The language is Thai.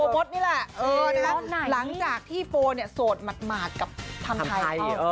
โฟสนี่แหละหลังจากที่โฟสโสดหมาดกับทำไทยเขา